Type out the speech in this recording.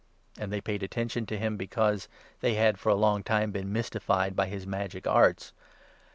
'" And they paid attention to him because they had for a long time been mystified by his magic arts.